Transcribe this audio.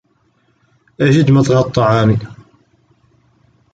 أَجِدْ مَضْغَ الطَّعَامِ.